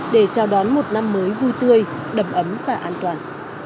để chào đón một năm mới vui tươi đầm ấm và an toàn